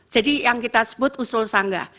jadi yang kita sebut usul sanggah